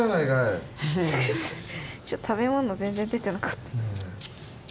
食べ物全然出てなかった。